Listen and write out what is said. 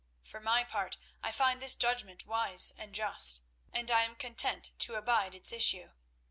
For my part, I find this judgment wise and just, and I am content to abide its issue.